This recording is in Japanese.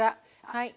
はい。